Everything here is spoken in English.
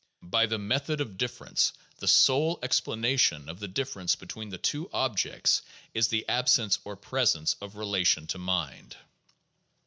By the "method of differ ence" the sole explanation of the difference between the two objects is the absence or presence of relation to mind.